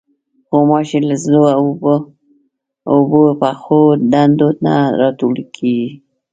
غوماشې له زړو اوبو، اوبو پخو ډنډو نه راټوکېږي.